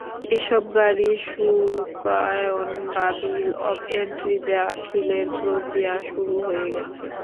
এসব গাড়ির শুল্কায়ন বা বিল অব এন্ট্রি দাখিলের প্রক্রিয়া শুরু হয়ে গেছে।